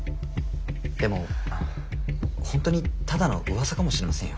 でも本当にただのうわさかもしれませんよ。